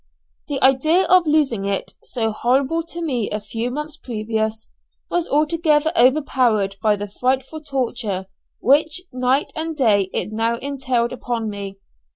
The idea of losing it, so horrible to me a few months previous, was altogether overpowered by the frightful torture, which night and day it now entailed upon me.